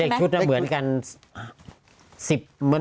เลขชุดน่ะเหมือนกัน